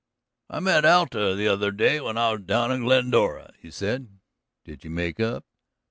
"I met Alta the other day when I was down in Glendora," he said. "Did you make up?"